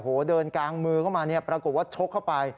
โอ้โหเดินกลางมือเข้ามาเนี่ยปรากฏว่าชกเข้าไป